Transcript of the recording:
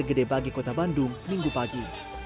gedebagi kota bandung minggu pagi